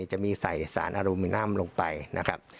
จะมีใส่สารอรุมินัมลงไปนะครับ